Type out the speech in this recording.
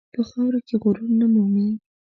په خاوره کې غرور نه مومي.